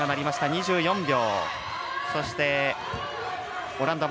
２４秒。